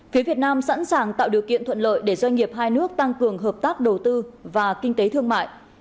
phía việt nam sẵn sàng tạo điều kiện thuận lợi để doanh nghiệp hai nước tăng cường hợp tác đầu tư và kinh tế thương mại